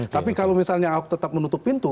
tapi kalau misalnya ahok tetap menutup pintu